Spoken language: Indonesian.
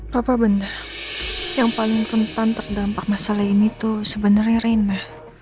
bapak benar yang paling rentan terdampak masalah ini tuh sebenarnya rena